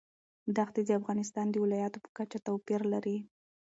دښتې د افغانستان د ولایاتو په کچه توپیر لري.